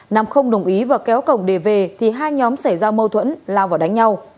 nam không đồng ý và kéo cổng để về thì hai nhóm xảy ra mâu thuẫn lao vào đánh nhau